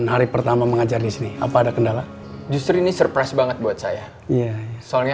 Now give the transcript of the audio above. hari pertama mengajar disini apa ada kendala justru ini surprise banget buat saya soalnya